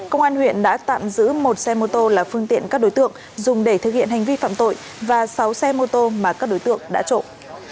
công an huyện đã tạm giữ một xe mô tô là phương tiện các đối tượng dùng để thực hiện hành vi phạm tội và sáu xe mô tô mà các đối tượng đã trộm